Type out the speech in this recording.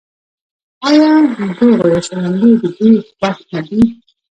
آیا دوغ یا شړومبې د دوی خوښ نه دي؟